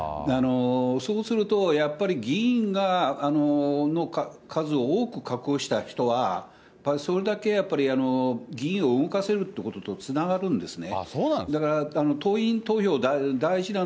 そうすると、やっぱり議員の数を多く確保した人は、やっぱそれだけ議員を動かせるということとつながるんですね。